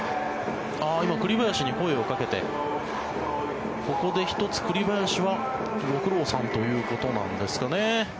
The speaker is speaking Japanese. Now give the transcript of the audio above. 今、栗林に声をかけてここで１つ栗林はご苦労さんということなんですかね。